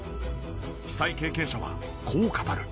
被災経験者はこう語る。